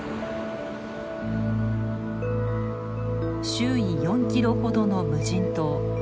周囲４キロほどの無人島。